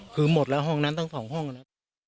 คือหมดแล้วห้องนั้นตั้ง๒ห้องแล้ว